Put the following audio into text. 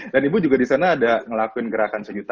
dan ibu juga disana ada ngelakuin gerakan segitu ya